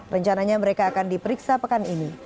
rencananya mereka akan diperiksa pekan ini